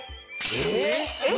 えっ！？